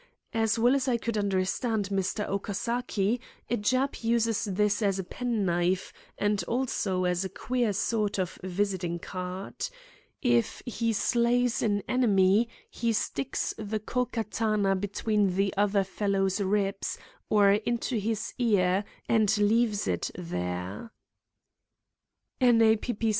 As well as I could understand Mr. Okasaki, a Jap uses this as a pen knife, and also as a queer sort of visiting card. If he slays an enemy he sticks the Ko Katana between the other fellow's ribs, or into his ear, and leaves it there." "A P.